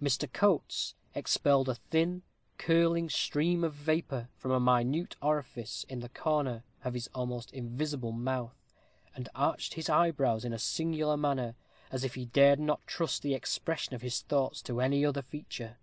Mr. Coates expelled a thin, curling stream of vapor from a minute orifice in the corner of his almost invisible mouth, and arched his eyebrows in a singular manner, as if he dared not trust the expression of his thoughts to any other feature.